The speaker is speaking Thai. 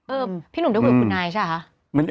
พี่หนุ่มได้คุยกับคุณนายใช่คะ